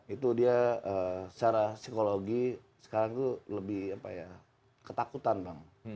itu dia secara psikologi sekarang itu lebih ketakutan bang